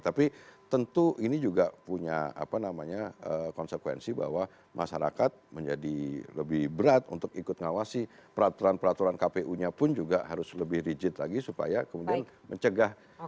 tapi tentu ini juga punya konsekuensi bahwa masyarakat menjadi lebih berat untuk ikut ngawasi peraturan peraturan kpu nya pun juga harus lebih rigid lagi supaya kemudian mencegah